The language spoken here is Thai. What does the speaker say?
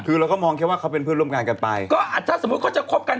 คือเราก็มองแค่ว่าเขาเป็นเพื่อนร่วมงานกันไปก็อ่ะถ้าสมมุติเขาจะคบกัน